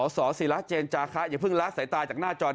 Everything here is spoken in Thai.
แต่เป็นภาษาที่ผมพูดละตาก่อนมันจะได้จ่ายจนล้าน